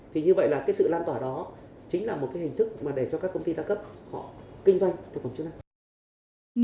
thì như vậy là sự lan tỏa đó chính là một hình thức để cho các công ty đa cấp họ kinh doanh thực phẩm chức năng